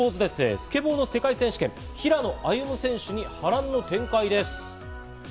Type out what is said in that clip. スケボー世界選手権、平野歩夢選手に波乱の展開です。